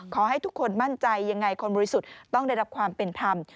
ขอให้ทุกคนมั่นใจยังไงคนบริสุทธิ์ต้องได้รับความเป็นธรรม